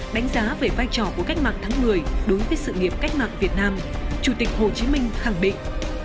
đánh giá về vai trò của cách mạng tháng một mươi đối với sự nghiệp cách mạng việt nam chủ tịch hồ chí minh khẳng định